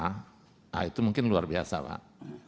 nah itu mungkin luar biasa pak